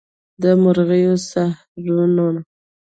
د مرغیو سحرونه